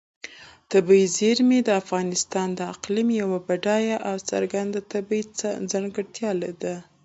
طبیعي زیرمې د افغانستان د اقلیم یوه بډایه او څرګنده طبیعي ځانګړتیا ده.